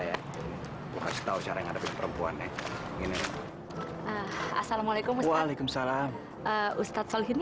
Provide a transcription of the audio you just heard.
ya lu kasih tahu cara ngadepin perempuan nih ini assalamualaikum waalaikumsalam ustadz sholhin